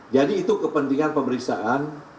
jadi itu kepentingan pemeriksaan